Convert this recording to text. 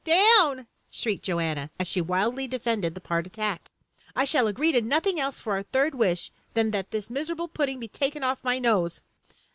Down!" shrieked Joanna, as she wildly defended the part attacked. "I shall agree to nothing else for our third wish than that this miserable pudding be taken off my nose!"